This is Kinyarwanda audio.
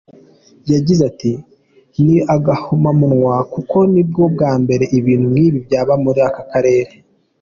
Yagize ati ‘Ni agahomamunwa kuko ni ubwa mbere ibintu nkibi byaba muri aka karere.